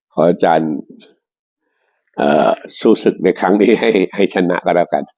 พออาจารย์เอ่อสู้ศึกในครั้งนี้ให้ให้ชนะก็ละกัน